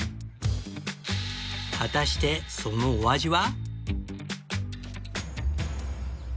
果たしてそのお味は？